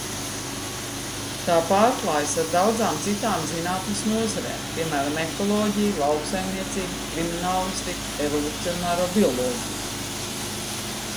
Tā pārklājas ar daudzām citām zinātnes nozarēm, piemēram, ekoloģiju, lauksaimniecību, kriminālistiku, evolucionāro bioloģiju.